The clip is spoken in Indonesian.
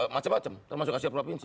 macem macem termasuk hasil per provinsi